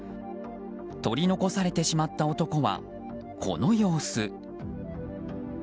取り残されてしまった男はこの様子。